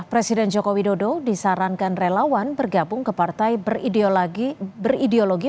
presiden joko widodo disarankan relawan bergabung ke partai berideologi